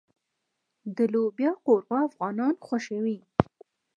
د لوبیا قورمه افغانان خوښوي.